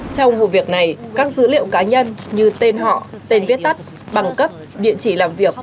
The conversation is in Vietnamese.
trong vụ việc này các dữ liệu cá nhân như tên họ tên viết tắt bằng cấp địa chỉ làm việc